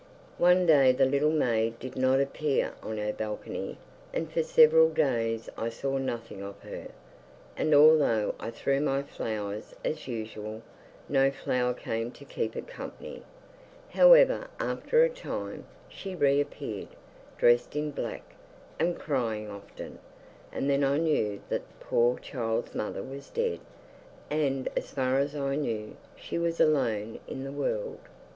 One day the little maid did not appear on her balcony, and for several days I saw nothing of her; and although I threw my flowers as usual, no flower came to keep it company. However, after a time, she reappeared, dressed in black, and crying often, and then I knew that the poor child's mother was dead, and, as far as I knew, she was alone in the world.